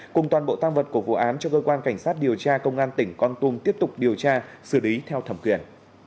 cùng toàn bộ tăng vật của vụ án cho cơ quan cảnh sát điều tra công an tỉnh con tum tiếp tục điều tra xử lý theo thẩm quyền